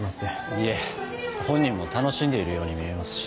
いえ本人も楽しんでいるように見えますし。